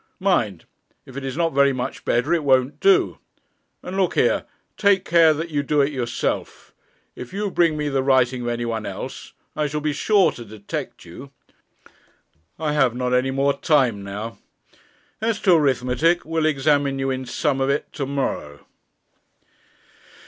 Mind, if it is not very much better it won't do. And look here; take care that you do it yourself. If you bring me the writing of any one else, I shall be sure to detect you. I have not any more time now; as to arithmetic, we'll examine you in 'some of it' to morrow.'